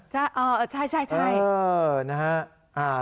ใช่นะฮะ